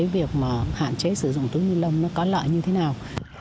việc hạn chế sử dụng túi ni lông có lợi như thế nào